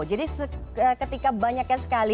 jadi ketika banyak sekali